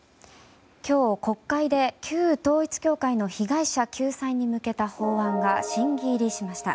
今日、国会で旧統一教会の被害者救済に向けた法案が審議入りました。